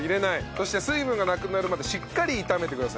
そして水分がなくなるまでしっかり炒めてください。